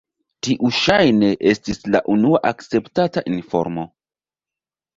Tiu ŝajne estis la unua akceptata informo.